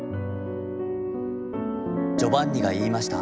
ジョバンニが云ひました」。